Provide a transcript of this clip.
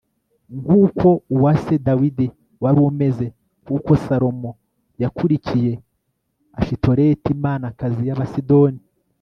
nk'uko uwa se dawidi wari umeze; kuko salomo yakurikiye ashitoreti imanakazi y'abasidoni